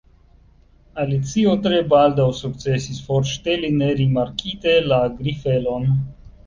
Alicio tre baldaŭ sukcesis forŝteli nerimarkite la grifelon.